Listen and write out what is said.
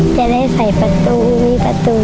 จะได้ใส่ประตูวินัดประตูค่ะ